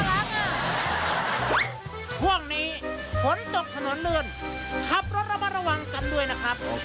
ช่วงนี้ฝนตกถนนลื่นขับรถระมัดระวังกันด้วยนะครับ